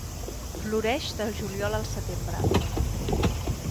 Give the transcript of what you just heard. Floreix del juliol al setembre.